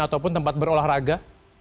ataupun tempat berolahraga